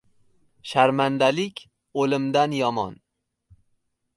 • Sharmandalik — o‘limdan yomon.